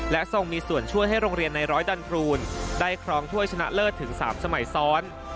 และทรงมีส่วนช่วยให้โรงเรียนในร้อยดันทรูนได้ครองถ้วยชนะเลิศถึง๓สมัยซ้อน